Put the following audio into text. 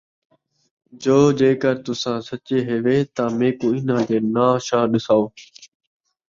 جو جیکر تُساں سچّے ہیوئے، تاں میکوں اِنھاں دے ناں شاں ݙسَاؤ ۔